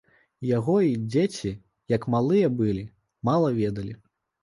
Яго й дзеці, як малыя былі, мала ведалі.